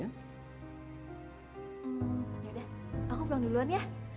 ya udah aku pulang duluan ya